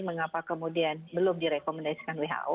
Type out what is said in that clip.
mengapa kemudian belum direkomendasikan who